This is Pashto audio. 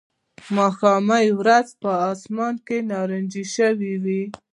د ماښام وریځې په آسمان کې نارنجي شوې وې